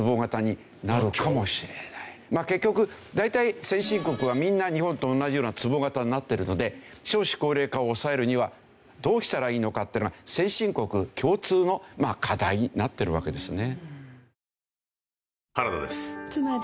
まあ結局大体先進国はみんな日本と同じようなつぼ型になってるので少子高齢化を抑えるにはどうしたらいいのかっていうのは先進国共通の課題になってるわけですね。